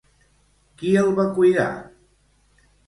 Qui el va cuidar?